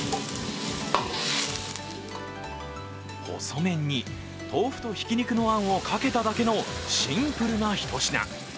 細麺に豆腐とひき肉のあんをかけただけのシンプルなひと品。